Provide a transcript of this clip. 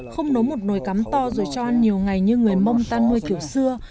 không nấu một nồi cắm to rồi cho ăn nhiều ngày như người mông tan nuôi kiểu xưa